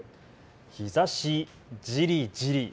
日ざしじりじり。